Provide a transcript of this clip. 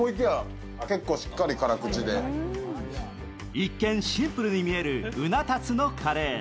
一見シンプルに見えるうな達のカレー。